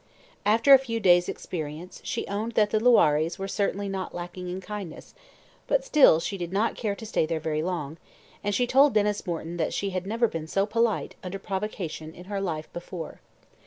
After a few days' experience, she owned that the Loirés were certainly not lacking in kindness, but still she did not care to stay there very long; and she told Denys Morton that she had never been so polite, under provocation, in her life before.